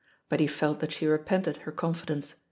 But he felt that she repented her confidence.